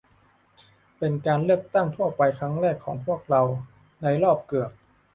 เป็นการเลือกตั้งทั่วไปครั้งแรกของพวกเราในรอบเกือบ